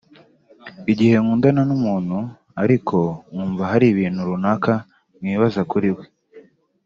Igihe nkundana n’umuntu ariko nkumva hari ibintu runaka nkibaza kuri we